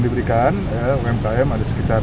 diberikan umkm ada sekitar